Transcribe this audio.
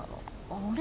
あれ？